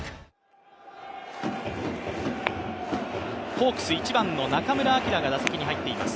ホークス１番の中村晃が打席に入っています。